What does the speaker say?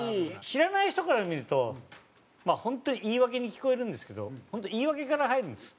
知らない人から見ると本当に言い訳に聞こえるんですけど本当言い訳から入るんです。